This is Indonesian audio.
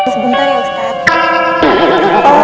sebentar ya ustaz